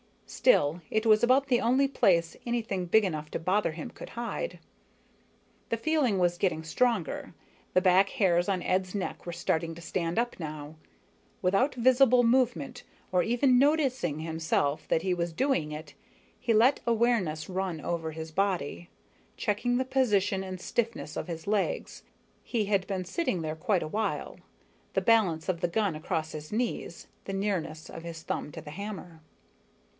Still, it was about the only place anything big enough to bother him could hide. The feeling was getting stronger, the back hairs on Ed's neck were starting to stand up now. Without visible movement, or even noticing himself that he was doing it, he let awareness run over his body, checking the position and stiffness of his legs he had been sitting there quite a while the balance of the gun across his knees, the nearness of his thumb to the hammer.